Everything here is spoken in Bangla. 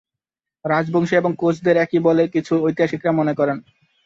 রাজবংশী এবং কোচ দের একই বলে কিছু ঐতিহাসিকরা মনে করেন।